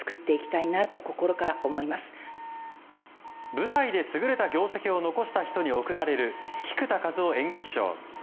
舞台で優れた業績を残した人に贈られる菊田一夫演劇賞。